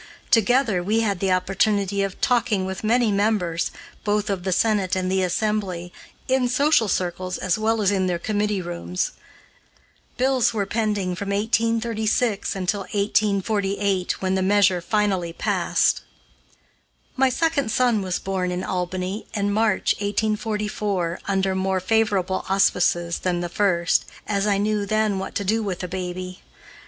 Together we had the opportunity of talking with many members, both of the Senate and the Assembly, in social circles, as well as in their committee rooms. Bills were pending from 1836 until 1848, when the measure finally passed. My second son was born in Albany, in March, 1844, under more favorable auspices than the first, as I knew, then, what to do with a baby.